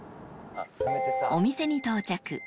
お店に到着